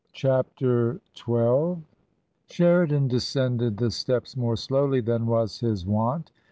CHAPTER XII. Sheridan descended the steps more slowly than was his wont.